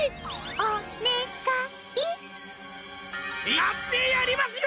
やってやりますよ！